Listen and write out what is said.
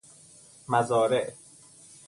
مزارع